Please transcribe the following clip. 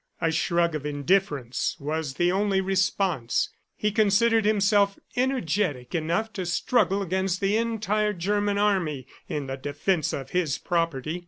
A shrug of indifference was the only response. He considered himself energetic enough to struggle against the entire German army in the defense of his property.